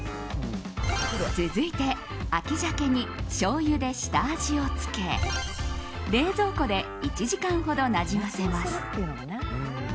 続いて、秋鮭にしょうゆで下味をつけ冷蔵庫で１時間ほどなじませます。